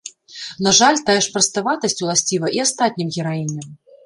На жаль, тая ж праставатасць уласціва і астатнім гераіням.